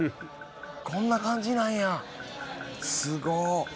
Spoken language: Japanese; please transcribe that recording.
こんな感じなんやすごっ。